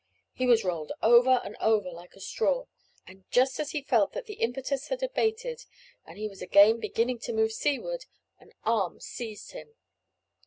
He was rolled over and over like a straw, and just as he felt that the impetus had abated, and he was again beginning to move seaward, an arm seized him.